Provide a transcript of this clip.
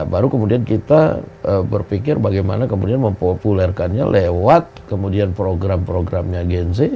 baru kemudian kita berpikir bagaimana kemudian mempopulerkannya lewat kemudian program programnya gen z